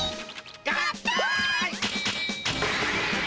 合体！